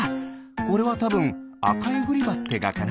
これはたぶんアカエグリバってガかな？